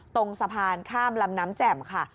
ตรงสะพานข้ามลำน้ำแจ่มค่ะ